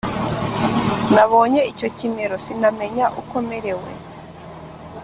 Nabonye icyo kimero sinamenya uko merewe